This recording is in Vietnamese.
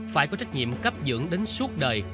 phải có trách nhiệm cấp dưỡng đến suốt đời